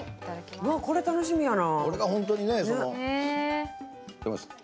これ、楽しみやな。